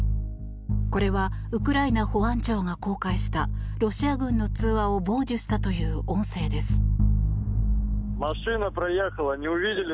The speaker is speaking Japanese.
これはウクライナ保安庁が公開したロシア軍の通話を傍受したという音声です。